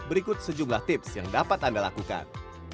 berikut sejumlah tips yang dapat anda lakukan